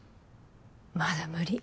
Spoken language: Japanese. まだ無理。